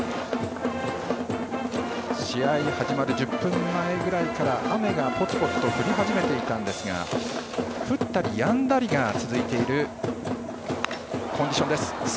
試合始まる１０分前ぐらいから雨がぽつぽつ降り始めていたんですが降ったりやんだりが続いているコンディションです。